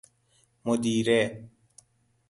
مدیره